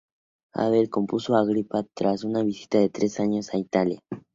Händel compuso "Agripina" tras una visita de tres años a Italia.